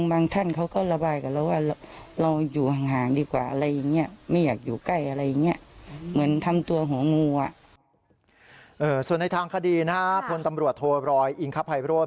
ส่วนในทางคดีนะฮะพลตำรวจโทรอยอิงคภัยโรธ